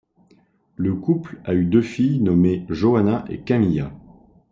Le couple a eu deux filles, nommées Johanna et Camilla.